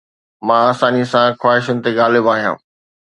مان آساني سان خواهشن تي غالب آهيان